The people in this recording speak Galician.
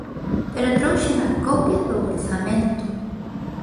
Pero trouxen a copia do orzamento.